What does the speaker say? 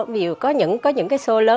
ví dụ có những show lớn